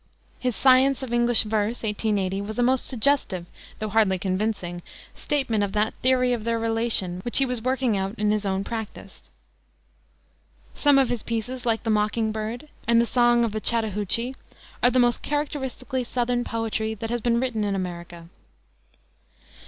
His Science of English Verse, 1880, was a most suggestive, though hardly convincing, statement of that theory of their relation which he was working out in his practice. Some of his pieces, like the Mocking Bird and the Song of the Chattahoochie, are the most characteristically Southern poetry that has been written in America.